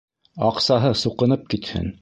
— Аҡсаһы суҡынып китһен!